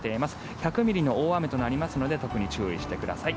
１００ミリの大雨となりますので特に注意してください。